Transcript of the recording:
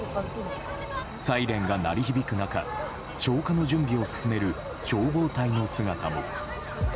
サイレンが鳴り響く中消火の準備を進める消防隊の姿も。